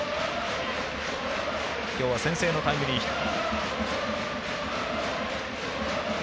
今日は先制のタイムリーヒット。